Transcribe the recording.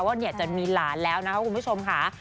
ว่าจะมีหลานแล้วนะคะคุณผู้ชมค่ะ